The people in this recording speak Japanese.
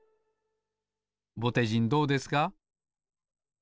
ぼてじんどうですか？